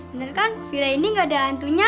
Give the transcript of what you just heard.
bener kan villa ini gak ada hantunya